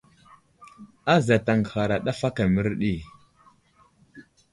Azat aŋgəhara ɗaf aka mərdi.